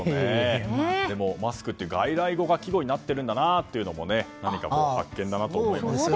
でも、マスクって外来語が季語になっているというのも何か発見だなと思いました。